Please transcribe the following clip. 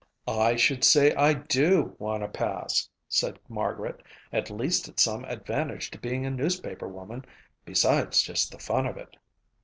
"I should say I do want a pass," said Margaret. "At least it's some advantage to being a newspaper woman besides just the fun of it."